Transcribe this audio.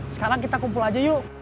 sekarang kita kumpul aja yuk